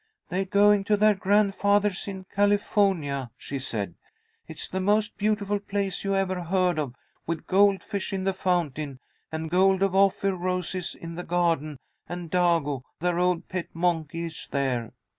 "They're going to their grandfather's in California," she said. "It's the most beautiful place you ever heard of, with goldfish in the fountain, and Gold of Ophir roses in the garden, and Dago, their old pet monkey, is there.